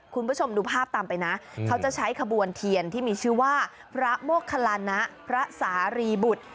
คุณผู้ชมดูภาพตามไปนะเขาจะใช้ขบวนเทียนที่มีชื่อว่าพระโมคลานะพระสารีบุตร